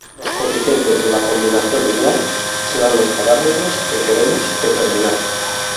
Los coeficientes de la combinación lineal serán los parámetros que queremos determinar.